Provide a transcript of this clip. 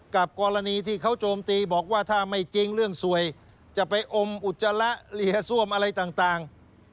กรณีที่เขาโจมตีบอกว่าถ้าไม่จริงเรื่องสวยจะไปอมอุจจาระเหลี่ยซ่วมอะไรต่าง